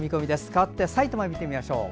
かわって埼玉を見てみましょう。